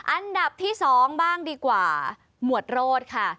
อันดับที่๒บ้างดีกว่าหมวดโรดค่ะ